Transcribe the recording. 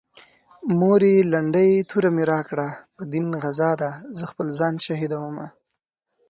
مورې لنډۍ توره مې راکړه په دين غزا ده زه خپل ځان شهيدومه